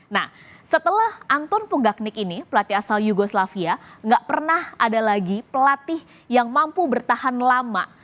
nah setelah anton punggaknik ini pelatih asal yugoslavia nggak pernah ada lagi pelatih yang mampu bertahan lama